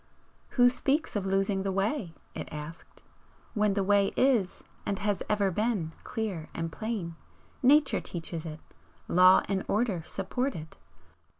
"Who speaks of losing the way?" it asked "when the way is, and has ever been, clear and plain? Nature teaches it, Law and Order support it.